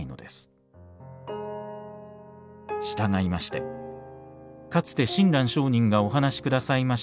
したがいましてかつて親鸞聖人がお話しくださいました